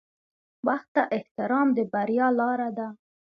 • وخت ته احترام د بریا لاره ده.